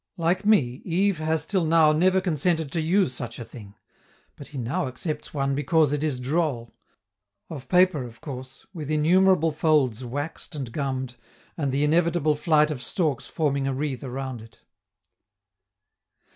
Like me, Yves has till now never consented to use such a thing, but he now accepts one because it is droll: of paper, of course, with innumerable folds waxed and gummed, and the inevitable flight of storks forming a wreath around it.